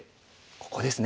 ここですね。